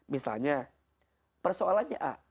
misalnya persoalannya a